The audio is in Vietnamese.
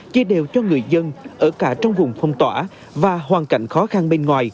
chia đều cho người dân ở cả trong vùng phong tỏa và hoàn cảnh khó khăn